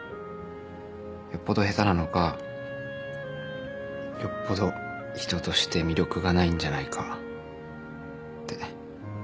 よっぽど下手なのかよっぽど人として魅力がないんじゃないかって。